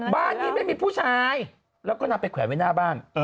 บ้านนี้ไม่มีผู้ชายแล้วก็นำไปแขวนไว้หน้าบ้าน